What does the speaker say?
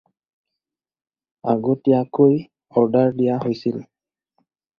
আগতীয়াকৈ অৰ্ডাৰ দিয়া হৈছিল।